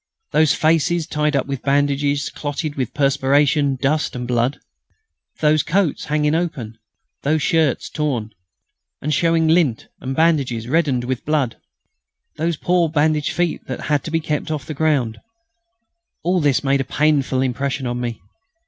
Those faces tied up with bandages clotted with perspiration, dust, and blood; those coats hanging open; those shirts torn, and showing lint and bandages reddened with blood; those poor bandaged feet that had to be kept off the ground all this made a painful impression on me.